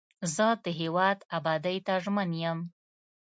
زه د هیواد ابادۍ ته ژمن یم.